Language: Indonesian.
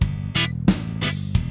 sebenarnya ada apa